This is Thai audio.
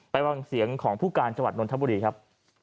ไปบังเสียงของผู้การจัวรณธรรมดีครับ